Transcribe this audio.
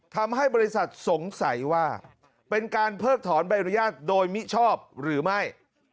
ทำให้บริษัทสงสัยว่าเป็นการเพิกถอนใบอนุญาตโดยมิชอบหรือไม่